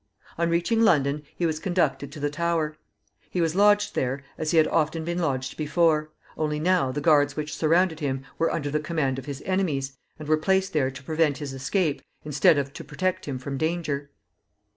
On reaching London, he was conducted to the Tower. He was lodged there as he had often been lodged before, only now the guards which surrounded him were under the command of his enemies, and were placed there to prevent his escape, instead of to protect him from danger.